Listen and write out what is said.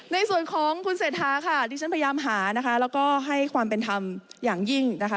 ในส่วนของคุณเศรษฐาค่ะที่ฉันพยายามหานะคะแล้วก็ให้ความเป็นธรรมอย่างยิ่งนะคะ